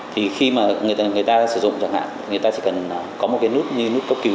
thì khi mà người ta sử dụng chẳng hạn người ta chỉ cần có một cái nút như nút cấp cứu